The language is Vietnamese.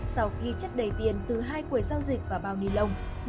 sau khi chất đầy tiền từ hai quầy giao dịch và bao nilon